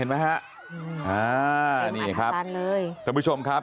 เห็นไหมฮะอ่านี่ครับอันดัดนั้นเลยของผู้ชมครับ